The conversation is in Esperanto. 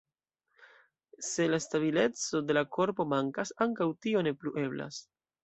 Se la stabileco de la korpo mankas, ankaŭ tio ne plu eblas.